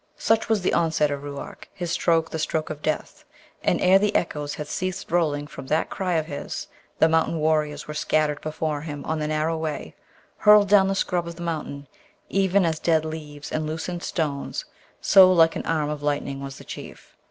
Such was the onset of Ruark, his stroke the stroke of death; and ere the echoes had ceased rolling from that cry of his, the mountain warriors were scattered before him on the narrow way, hurled down the scrub of the mountain, even as dead leaves and loosened stones; so like an arm of lightning was the Chief!